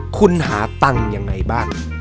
คุณหาตังอย่างไรบ้าง